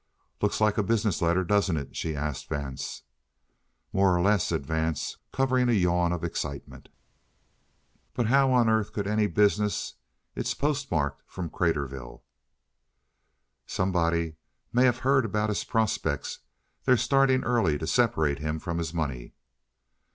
"Looks like a business letter, doesn't it?" she asked Vance. "More or less," said Vance, covering a yawn of excitement. "But how on earth could any business it's postmarked from Craterville." "Somebody may have heard about his prospects; they're starting early to separate him from his money."